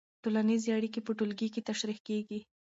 ټولنیزې اړیکې په ټولګي کې تشریح کېږي.